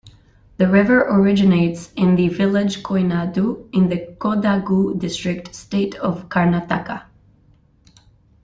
The river originates in the village Koinadu in the Kodagu district, state of Karnataka.